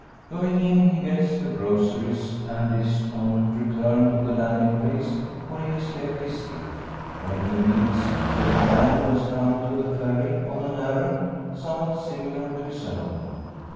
Going in he gets the groceries, and is on return to the landing place, where he has left his skiff, when he meets with a man, who has come to the Ferry on an errand somewhat similar to his own.